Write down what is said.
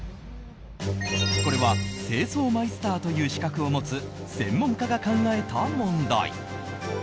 これは清掃マイスターという資格を持つ専門家が考えた問題。